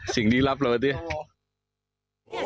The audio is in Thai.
สิ่งดีลับหรือลับเตี๊ยว